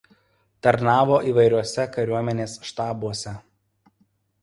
Tarnavo įvairiuose kariuomenės štabuose.